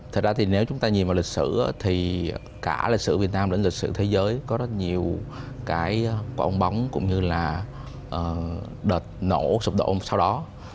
thật ra thì nếu chúng ta nhìn vào lịch sử thì cả lịch sử việt nam lẫn lịch sử thế giới có rất nhiều cái quả bóng bóng cũng như là đợt nổ sụp đổ sau đó